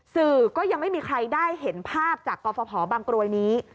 สื่อก็ยังไม่มีใครได้เห็นภาพจากกรฟภบางกรวยนี้